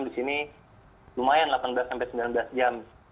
di sini lumayan delapan belas sampai sembilan belas jam